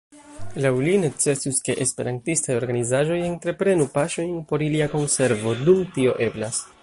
Laŭ li necesus, ke esperantistaj organizaĵoj entreprenu paŝojn por ilia konservo, dum tio eblas.